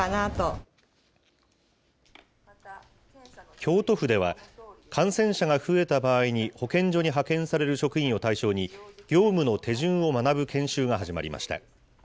京都府では、感染者が増えた場合に、保健所に派遣される職員を対象に、業務の手順を学ぶ研修が始まりました。